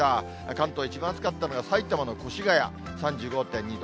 関東、一番暑かったのが埼玉の越谷３５．２度。